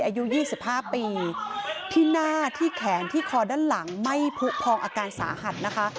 อายุ๒๕ปีที่หน้าที่แขนที่คอด้านหลังไม่ผู้พองอาการสาหัสนะคะ